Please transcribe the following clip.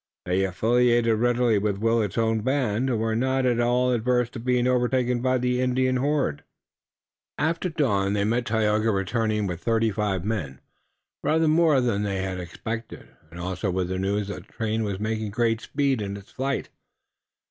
They affiliated readily with Willet's own band, and were not at all averse to being overtaken by the Indian horde. After dawn they met Tayoga returning with thirty five men, rather more than they had expected, and also with the news that the train was making great speed in its flight.